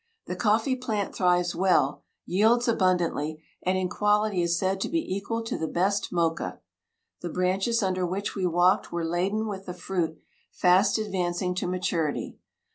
The coffee plant thrives well, yields abundantly, and, in quality, is said to be equal to the best Mocha. The branches under which we walked were laden with the fruit, fast advancing to maturity.